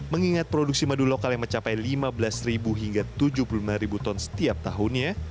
mengingat produksi madu lokal yang mencapai lima belas hingga tujuh puluh lima ton setiap tahunnya